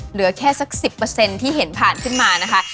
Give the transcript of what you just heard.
เหลือแค่สัก๑๐ที่เห็นผ่านขึ้นมานะคะ